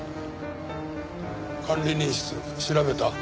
管理人室調べた？